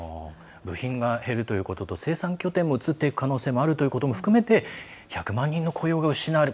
部品が減るということと生産拠点が移っていくこともあるということも含めて１００万人の雇用が失われる。